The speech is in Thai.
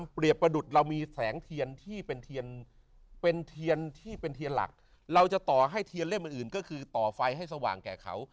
เป็นเทียนที่เป็นเทียนหลักเราจะต่อให้เทียนเล่มอื่นก็คือต่อไฟให้สว่างแก่เขา